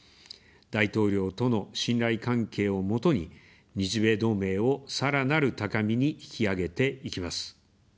大統領との信頼関係を基に、日米同盟をさらなる高みに引き上げていきます。